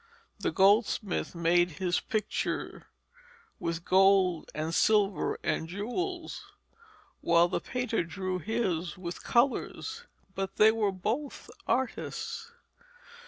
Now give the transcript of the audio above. The goldsmith made his picture with gold and silver and jewels, while the painter drew his with colours, but they were both artists.